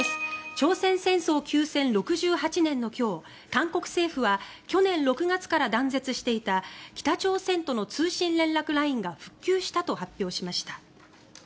朝鮮戦争休戦６８年の今日韓国政府は去年６月から断絶していた北朝鮮との通信連絡ラインが復旧したと発表しました。